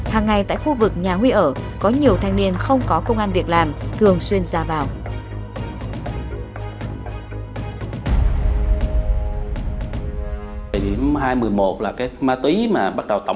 hàng ngày tại khu vực nhà huy ở có nhiều thanh niên không có công an việc làm thường xuyên ra vào